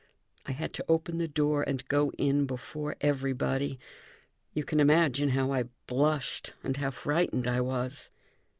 I had to open the door and go in before everybody. You can imagine how I blushed and how frightened I was.